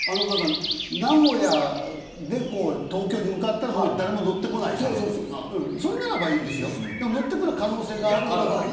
名古屋で東京に向かったら誰も乗ってこないからそれなら、いいですけど乗ってくる可能性があるから。